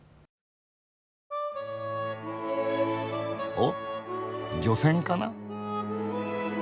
お漁船かな。